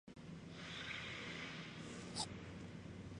Sólo una de ellas se mantiene actualmente en pie.